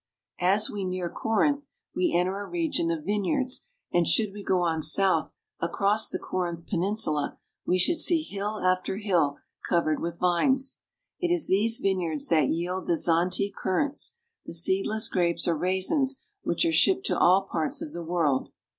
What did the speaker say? As we near Corinth we enter a region of vineyards, and should we go on south across the Corinth peninsula, we should see hill after hill covered with vines. It is these vineyards that yield the Zante currants, the seedless grapes or raisins which are shipped to all parts of the world.